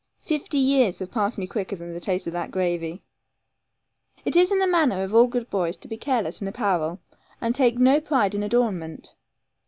Fifty years have passed me quicker than the taste of that gravy. It is the manner of all good boys to be careless of apparel, and take no pride in adornment.